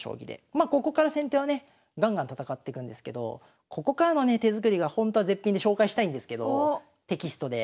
まここから先手はねガンガン戦ってくんですけどここからのね手作りがほんとは絶品で紹介したいんですけどテキストで。